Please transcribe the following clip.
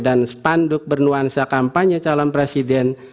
dan spanduk bernuansa kampanye calon presiden